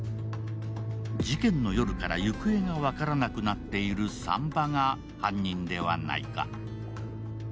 事件の夜から行方が分からなくなっている産婆が犯人ではないか。